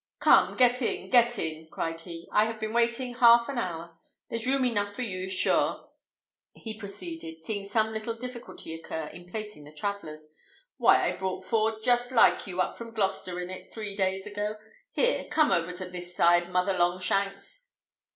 "Come, get in, get in!" cried he, "I have been waiting half an hour. There's room enough for you, sure!" he proceeded, seeing some little difficulty occur in placing the travellers; "why, I brought four just like you up from Gloucester in it, three days ago. Here, come over to this side, Mother Longshanks."